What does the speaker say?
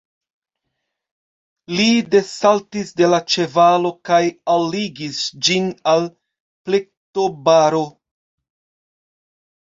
Li desaltis de la ĉevalo kaj alligis ĝin al plektobaro.